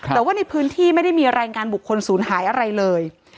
แต่ว่าในพื้นที่ไม่ได้มีรายงานบุคคลศูนย์หายอะไรเลย